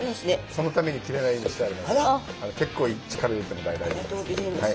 そのために切れないようにしてあるので結構力入れて問題ないです。